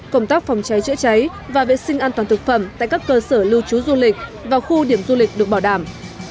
cổng tóc phòng cháy trễ cháy và vệ sinh an toàn thực phẩm tại các cơ sở lưu trú du lịch và khu điểm du lịch được bảo đảm